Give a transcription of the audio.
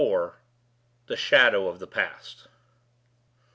IV. THE SHADOW OF THE PAST.